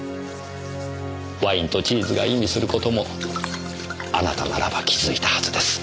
ワインとチーズが意味する事もあなたならば気付いたはずです。